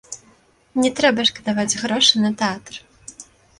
Не трэба шкадаваць грошы на тэатр.